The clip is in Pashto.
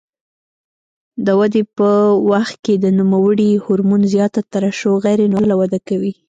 د ودې په وخت کې د نوموړي هورمون زیاته ترشح غیر نورماله وده کوي.